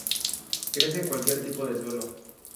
Crece en cualquier tipo de suelo.